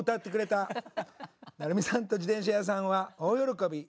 成美さんと自転車屋さんは大喜び。